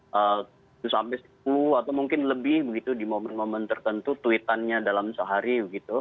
tujuh sampai sepuluh atau mungkin lebih begitu di momen momen tertentu tweetannya dalam sehari gitu